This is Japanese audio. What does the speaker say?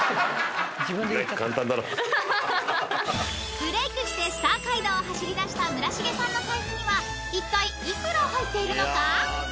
［ブレークしてスター街道を走りだした村重さんの財布にはいったい幾ら入っているのか？］